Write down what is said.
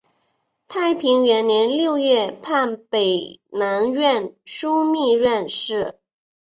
太平元年六月判北南院枢密院事。